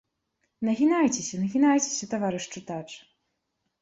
Нагінайцеся, нагінайцеся, таварыш чытач!